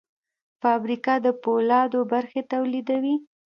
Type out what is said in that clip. فابریکه د فولادو برخې تولیدوي.